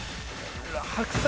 白菜。